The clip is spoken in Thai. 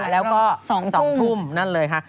แล้วก็๒ทุ่มนั่นเลยค่ะ